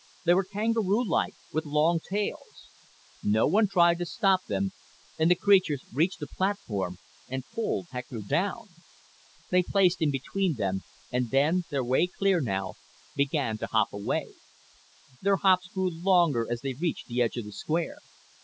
They were kangaroo like, with long tails. No one tried to stop them, and the creatures reached the platform and pulled Hector down. They placed him between them and, their way clear now, began to hop away. Their hops grew longer as they reached the edge of the square.